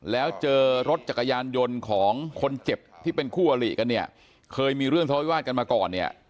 แล้วเจอรถจักรยานยนต์ของคนเจ็บที่เป็นคู่อลิกันเนี่ยเคยมีเรื่องทะเลาวิวาสกันมาก่อนเนี่ย